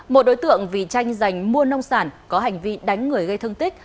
một đối tượng vì tranh giành mua nông sản có hành vi đánh người gây thương tích